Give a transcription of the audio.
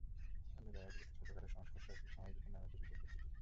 অন্য জায়গাগুলোতে ছোটখাটো সংস্কারসহ ভিড় সামাল দিতে নেওয়া হয়েছে বিশেষ প্রস্তুতি।